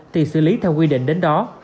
thì xử lý theo quy định đến đó